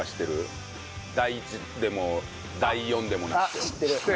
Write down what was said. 第１でも第４でもなく。